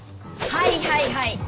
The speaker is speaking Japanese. はいはいはい。